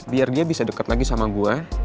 biar dia bisa dekat lagi sama gue